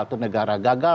atau negara gagal